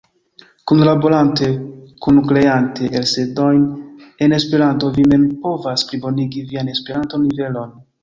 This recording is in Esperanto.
Kunlaborante, kunkreante elsendojn en Esperanto, vi mem povas plibonigi vian Esperanto-nivelon.